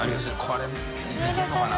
これいけるのかな？